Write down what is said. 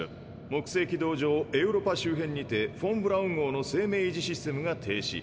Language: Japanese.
木星軌道上エウロパ周辺にてフォン・ブラウン号の生命維持システムが停止。